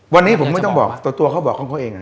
วันนี้ผมก็ต้องบอกต่อตัวเขาบอกของเขาเอง